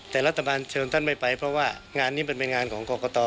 แต่รัฐบาลเชิญท่านไม่ไปเพราะว่างานนี้มันเป็นงานของกรกต